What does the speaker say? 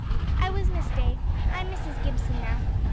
"I was Miss Day; I'm Mrs. Gibson now.